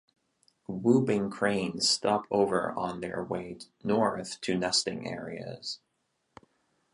Whooping cranes stop over on their way north to nesting areas.